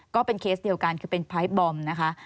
ก็เป็นเคสเดียวกันคือเป็นพาร์ทบอมนะคะ